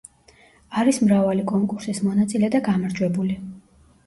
არის მრავალი კონკურსის მონაწილე და გამარჯვებული.